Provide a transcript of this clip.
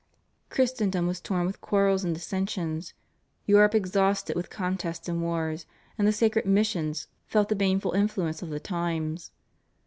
Christendom was torn with quarrels and dissensions, Europe exhausted with contests and wars, and the sacred missions felt the baneful influence of the times.